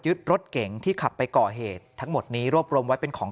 รถเก๋งที่ขับไปก่อเหตุทั้งหมดนี้รวบรวมไว้เป็นของ